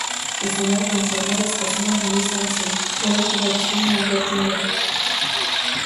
Մուսոնային անձրևները սկսվում են հուլիս ամսին, որոնք ուղեկցվում են ամպրոպներով։